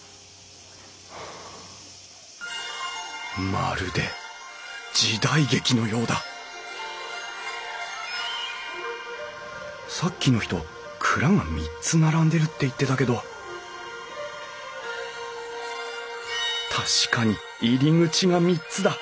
まるで時代劇のようださっきの人蔵が３つ並んでるって言ってたけど確かに入り口が３つだ。